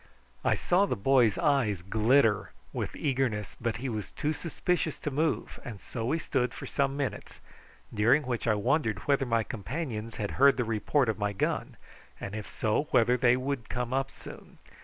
I saw the boy's eyes glitter with eagerness, but he was too suspicious to move, and so we stood for some minutes, during which I wondered whether my companions had heard the report of my gun, and if so whether they would come up soon.